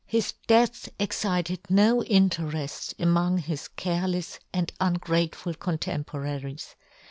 His death excited no intereft among his carelefs and un grateful contemporaries.